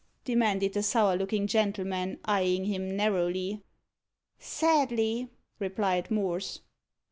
demanded the sour looking gentleman, eyeing him narrowly. "Sadly," replied Morse.